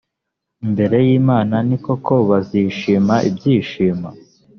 imbere y imana ni koko bazishima ibyishimo